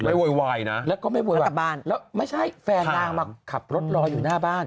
มันจะกลับไปบ้านแล้วไม่ใช่แฟนนางมาขับรถรออยู่หน้าบ้าน